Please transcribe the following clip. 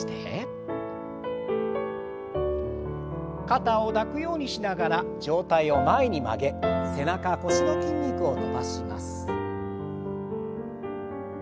肩を抱くようにしながら上体を前に曲げ背中腰の筋肉を伸ばします。